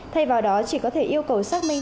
thay vào đó chỉ có thể yêu cầu xác minh